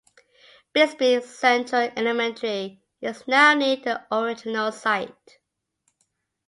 Bixby Central Elementary is now near the original site.